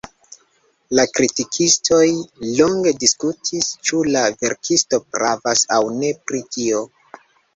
La kritikistoj longe diskutis, ĉu la verkisto pravas aŭ ne pri tio.